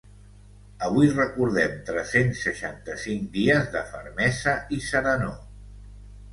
Avui recordem tres-cents seixanta-cinc dies de fermesa i serenor.